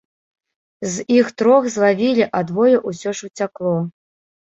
З іх трох злавілі, а двое ўсё ж уцякло.